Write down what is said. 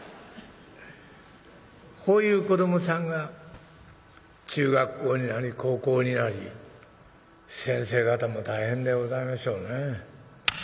こういう子どもさんが中学校になり高校になり先生方も大変でございましょうね。